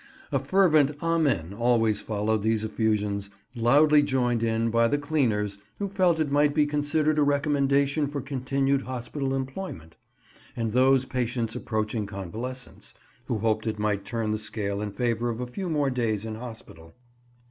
A fervent "Amen" always followed these effusions, loudly joined in by the cleaners, who felt it might be considered a recommendation for continued hospital employment, and those patients approaching convalescence, who hoped it might turn the scale in favour of a few more days in hospital.